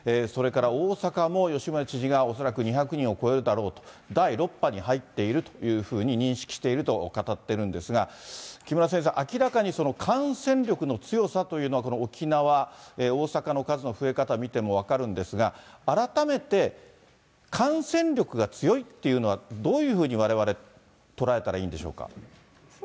それから大阪も吉村知事が、恐らく２００人を超えるだろうと、第６波に入っているというふうに認識していると語っているんですが、木村先生、明らかに感染力の強さというのは、この沖縄、大阪の数の増え方見ても分かるんですが、改めて感染力が強いっていうのは、どういうふうにわれわれ、捉えたらいいんでしょうか。